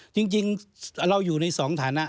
จริงเราอยู่ในสองฐานะ